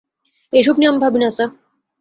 এইসব নিয়ে আমি ভাবি না স্যার।